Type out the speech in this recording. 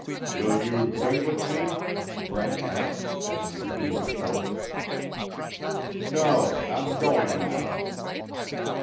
"Will you drink with me?" Brent asked, as he drew the cork. "No! I'm going, now."